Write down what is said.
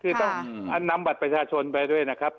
คือต้องนำบัตรประชาชนไปด้วยนะครับ